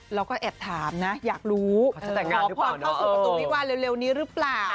เราก็แอบถามนะอยากรู้ขอพรเข้าสู่ประตูวิวาลเร็วนี้หรือเปล่า